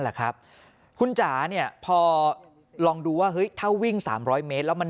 แหละครับคุณจ๋าเนี่ยพอลองดูว่าเฮ้ยถ้าวิ่ง๓๐๐เมตรแล้วมัน